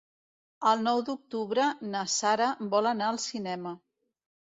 El nou d'octubre na Sara vol anar al cinema.